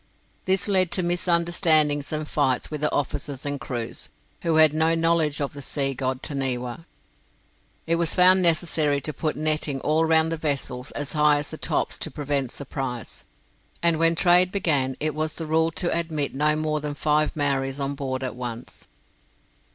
This led to misunderstandings and fights with their officers and crews, who had no knowledge of the sea god, Taniwa. It was found necessary to put netting all round the vessels as high as the tops to prevent surprise, and when trade began it was the rule to admit no more than five Maoris on board at once.